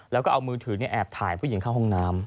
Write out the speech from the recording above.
แล้วก็เอามือถือแอบถ่ายผู้หญิงเข้าห้องน้ำ